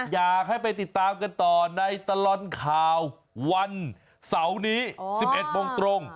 อยากให้ไปติดตามกันต่อในตลอดข่าววันเสาร์นี้๑๑โมงตรง